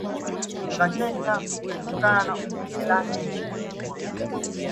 kutoka Kenya kutokana na umbile lake kubwa